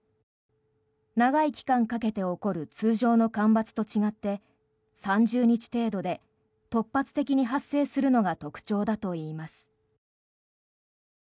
長い期間かけて起こる通常の干ばつと違って３０日程度で突発的に発生するのが特徴だといいます。